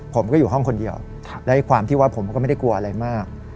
ผมก็อยู่ห้องคนเดียวและความที่ว่าผมก็ไม่ได้กลัวอะไรมาก